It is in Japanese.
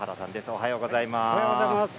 おはようございます。